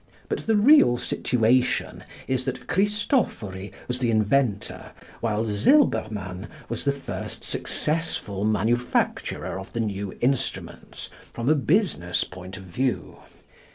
But the real situation is that Cristofori was the inventor, while Silbermann was the first successful manufacturer of the new instruments, from a business point of view.